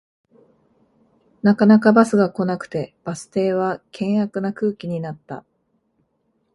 なかなかバスが来なくてバス停は険悪な空気になった